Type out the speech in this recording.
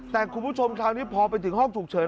แต่คุณผู้ชมคราวนี้พอไปถึงห้องฉุกเฉิน